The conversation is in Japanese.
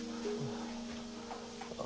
あ。